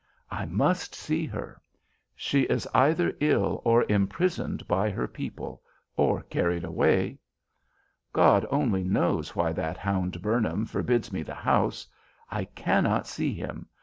I must see her. She is either ill or imprisoned by her people, or carried away. God only knows why that hound Burnham forbids me the house. I cannot see him.